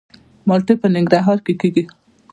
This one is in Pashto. مالټې په ننګرهار کې کیږي